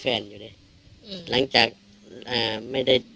กินโทษส่องแล้วอย่างนี้ก็ได้